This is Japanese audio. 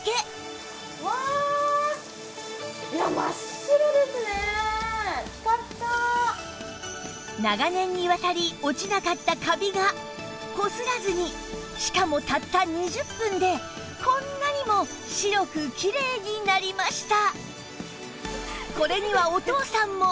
色々な場所に長年にわたり落ちなかったカビがこすらずにしかもたった２０分でこんなにも白くきれいになりました